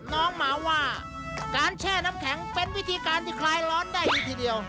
น้องหมาว่าการแช่น้ำแข็งเป็นวิธีการที่คลายร้อนได้ดีทีเดียว